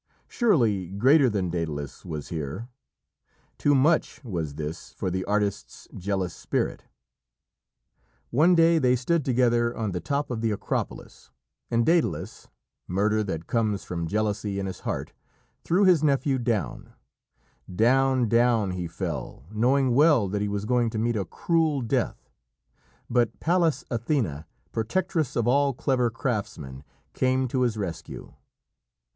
Surely greater than Dædalus was here. Too much was this for the artist's jealous spirit. One day they stood together on the top of the Acropolis, and Dædalus, murder that comes from jealousy in his heart, threw his nephew down. Down, down he fell, knowing well that he was going to meet a cruel death, but Pallas Athené, protectress of all clever craftsmen, came to his rescue.